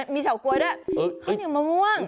มีเฉาก๊วยด้วยข้าวเหนียวมะม่วง